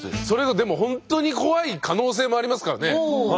それとでも本当に怖い可能性もありますからね。